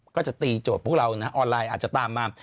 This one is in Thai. ก็จะตีโจทย์พวกเรานะออนไลน์อาจจะตามมา